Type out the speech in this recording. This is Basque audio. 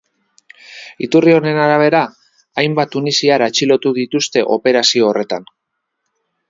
Iturri horien arabera, hainbat tunisiar atxilotu dituzte operazio horretan.